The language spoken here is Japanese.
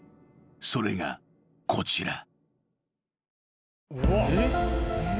［それがこちら］